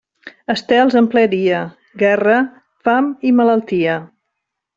Estels en ple dia, guerra, fam i malaltia.